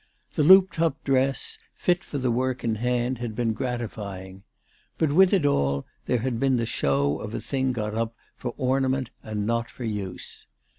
The looped up dress, fit for the work in hand, had been gratifying. But with it all there had been the show of a thing got up for ornament and not for use.